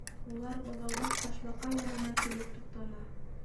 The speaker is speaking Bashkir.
Улар Быҙаубаш Ташбаҡа янына килеп туҡтаны.